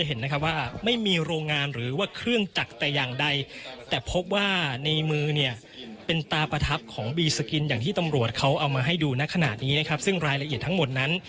ตำรวจเขาเอามาให้ดูณขณะนี้นะครับซึ่งรายละเอียดทั้งหมดนั้น